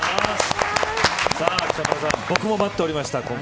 北村さん、僕も待っておりました。